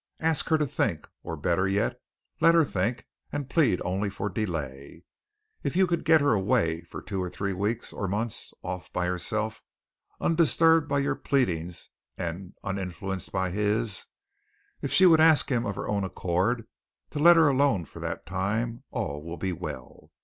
Ask her to think, or better yet, let her think and plead only for delay. If you could get her away for two or three weeks or months, off by herself undisturbed by your pleadings and uninfluenced by his if she would ask him of her own accord to let her alone for that time, all will be well.